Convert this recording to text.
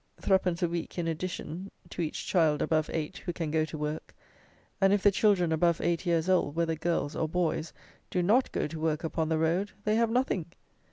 _ a week, in addition, to each child above eight, who can go to work: and, if the children above eight years old, whether girls or boys, do not go to work upon the road, they have nothing!